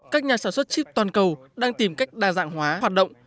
các nhà sản xuất chip toàn cầu đang tìm cách đa dạng hóa hoạt động